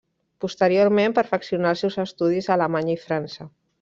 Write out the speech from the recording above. Posteriorment perfeccionà els seus estudis a Alemanya i França.